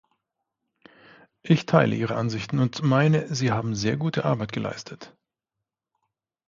Ich teile ihre Ansichten und meine, Sie haben sehr gute Arbeit geleistet.